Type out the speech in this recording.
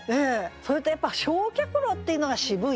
それとやっぱ「焼却炉」っていうのが渋い。